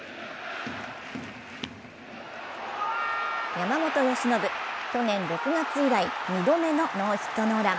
山本由伸、去年６月以来２度目のノーヒットノーラン。